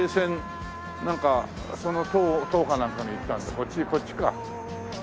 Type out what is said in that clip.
こっちこっちか。